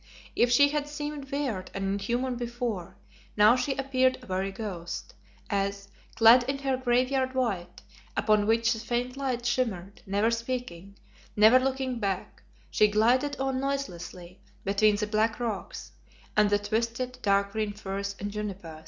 If she had seemed weird and inhuman before, now she appeared a very ghost, as, clad in her graveyard white, upon which the faint light shimmered, never speaking, never looking back, she glided on noiselessly between the black rocks and the twisted, dark green firs and junipers.